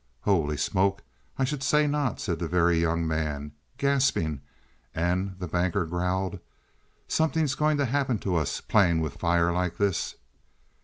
"Holy Smoke, I should say not," said the Very Young Man, gasping; and the Banker growled: "Something's going to happen to us, playing with fire like this."